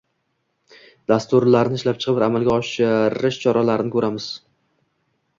dasturlarni ishlab chiqib, amalga oshirish choralarini ko‘ramiz.